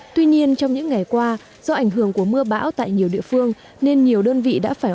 tuy nhiên trong những ngày qua do ảnh hưởng của mưa bão tại nhiều địa phương nên nhiều đơn vị đã phải